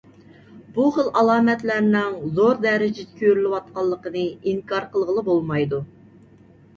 بۇ خىل ئالامەتلەرنىڭ زور دەرىجىدە كۆرۈلۈۋاتقانلىقىنى ئىنكار قىلغىلى بولمايدۇ.